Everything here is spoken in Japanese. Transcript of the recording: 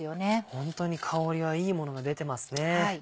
ホントに香りがいいものが出てますね。